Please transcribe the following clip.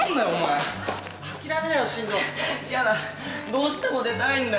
どうしても出たいんだよ